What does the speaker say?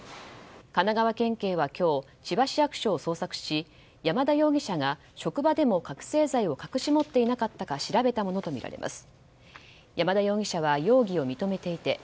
神奈川県警は今日、千葉市役所を捜索し山田容疑者が職場でも覚醒剤を隠し持っていなかったか調べたものとみられます。